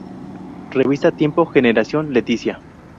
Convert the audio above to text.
Revista Tiempo: Generación Letizia